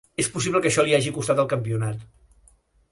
És possible que això li hagi costat el campionat.